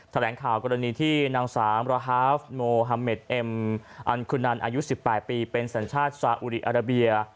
แถลงข่าวกรณีที่นางสาวมราฮาฟโมฮาเมดเอ็มอันคุณันอายุ๑๘ปีเป็นสัญชาติสาอุดีอาราเบีย